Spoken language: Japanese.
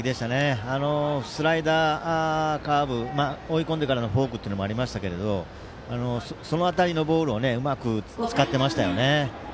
スライダー、カーブ追い込んでからのフォークというのもありましたがその辺りのボールをうまく使っていましたよね。